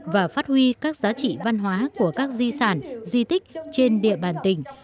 và phát huy các giá trị văn hóa của các di sản di tích trên địa bàn tỉnh